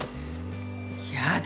やだ